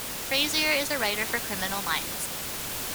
Frazier is a writer for Criminal Minds.